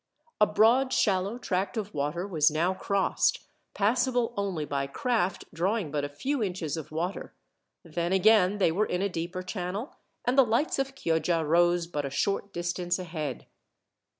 A broad shallow tract of water was now crossed, passable only by craft drawing but a few inches of water; then again they were in a deeper channel, and the lights of Chioggia rose but a short distance ahead.